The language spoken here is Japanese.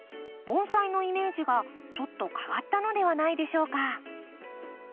盆栽のイメージがちょっと変わったのではないでしょうか？